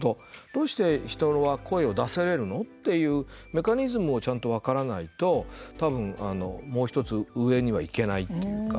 どうして人は声を出せれるの？っていうメカニズムをちゃんと分からないと、たぶんもう１つ上にはいけないというか